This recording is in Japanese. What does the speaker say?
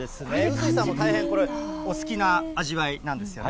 臼井さんも大変これお好きな味わいなんですよね。